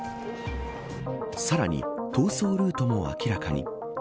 さらに、逃走ルートも明らかに。